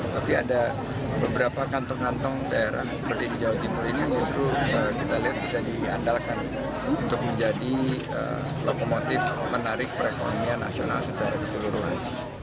tapi ada beberapa kantong kantong daerah seperti di jawa timur ini justru kita lihat bisa diandalkan untuk menjadi lokomotif menarik perekonomian nasional secara keseluruhan